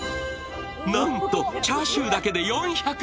なんとチャーシューだけで４００ｇ。